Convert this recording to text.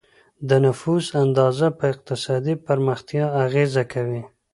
د نفوس اندازه په اقتصادي پرمختیا اغېزه کوي.